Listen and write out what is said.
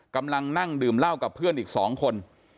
กำลังนั่งดื่มเหล้ากับเพื่อนอีก๒คน